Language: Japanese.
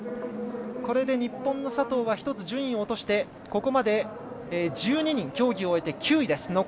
これで日本の佐藤は１つ順位を落としてここまで１２人競技を終えて９位です。